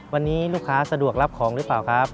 วันนี้ลูกค้าสะดวกรับของหรือเปล่าครับ